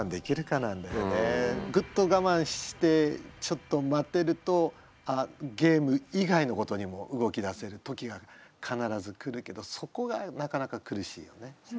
グッと我慢してちょっと待てるとゲーム以外のことにも動きだせる時が必ず来るけどそこがなかなか苦しいよね。